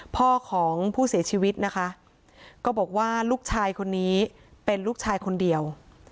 พ่อของผู้เสียชีวิตนะคะก็บอกว่าลูกชายคนนี้เป็นลูกชายคนเดียว